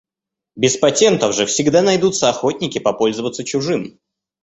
Без патентов же всегда найдутся охотники попользоваться чужим.